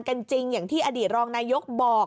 กันจริงอย่างที่อดีตรองนายกบอก